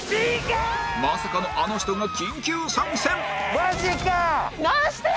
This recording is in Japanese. まさかのあの人が緊急参戦！